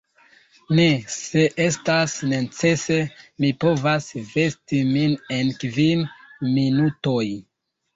Ne; se estas necese, mi povas vesti min en kvin minutoj.